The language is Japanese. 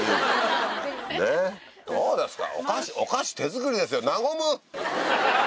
どうですか？